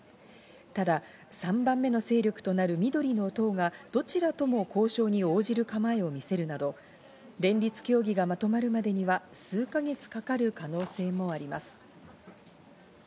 ただ３番目の勢力つなぐ緑の党がどちらとも交渉に応じる構えを見せるなど、連立協議がまとまるまでには、数か月かかる可能性もあります。